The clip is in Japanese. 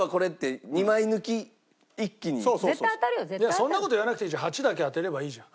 そんな事やらなくていいじゃん８だけ当てればいいじゃん。